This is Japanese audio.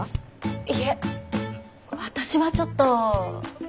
いえ私はちょっと。